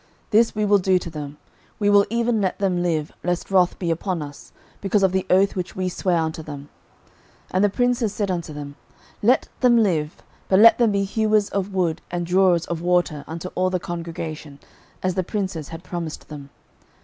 06:009:020 This we will do to them; we will even let them live, lest wrath be upon us, because of the oath which we sware unto them. 06:009:021 And the princes said unto them, Let them live; but let them be hewers of wood and drawers of water unto all the congregation; as the princes had promised them.